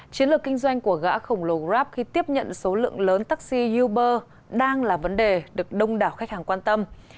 chiến lược kinh doanh của gã khổng lồ grab khi tiếp nhận số lượng lớn taxi uber đang là vấn đề được đông đảo khách hàng quan tâm